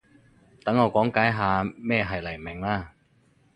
等我講解下咩係黎明啦